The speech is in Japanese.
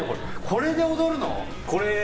これで踊るの？